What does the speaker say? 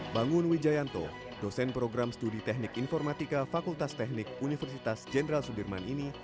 bangun wijayanto dosen program studi teknik informatika fakultas teknik universitas jenderal sudirman ini